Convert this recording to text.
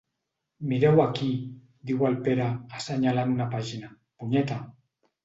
Mireu aquí —diu el Pere, assenyalant una pàgina—, punyeta!